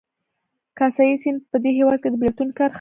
کاسای سیند په دې هېواد کې د بېلتون کرښه ده